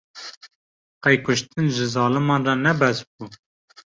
Qey kuştin, ji zaliman re ne bes bû